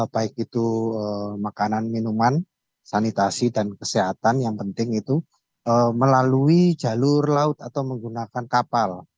baik itu makanan minuman sanitasi dan kesehatan yang penting itu melalui jalur laut atau menggunakan kapal